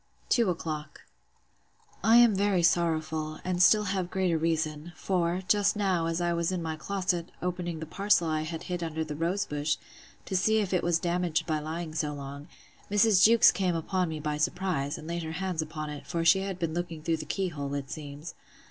Two o'clock. I am very sorrowful, and still have greater reason; for, just now, as I was in my closet, opening the parcel I had hid under the rose bush, to see if it was damaged by lying so long, Mrs. Jewkes came upon me by surprise, and laid her hands upon it; for she had been looking through the key hole, it seems.